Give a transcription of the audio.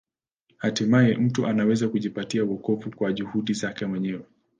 Hatimaye mtu anaweza kujipatia wokovu kwa juhudi zake mwenyewe.